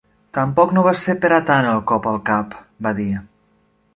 "Tampoc no va ser per a tant el cop al cap", va dir.